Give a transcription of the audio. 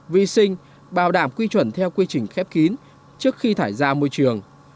vi sinh bảo đảm quy chuẩn theo quy trình khép kín trước khi thải ra môi trường